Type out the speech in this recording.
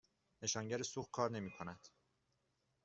نشانگر سوخت کار نمی کند.